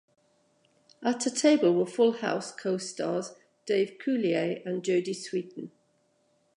At her table were "Full House" co-stars Dave Coulier and Jodie Sweetin.